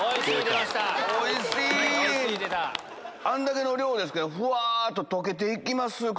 あんだけの量ですけどふわっと溶けて行きます